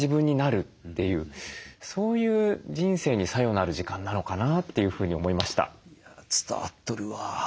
そういう人生に作用のある時間なのかなというふうに思いました。